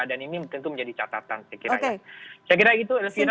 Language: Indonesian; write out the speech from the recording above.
dan ini tentu menjadi catatan saya kira begitu